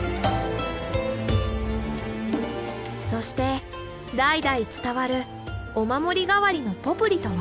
そして代々伝わるお守り代わりのポプリとは？